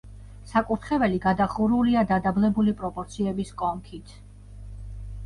საკურთხეველი გადახურულია დადაბლებული პროპორციების კონქით.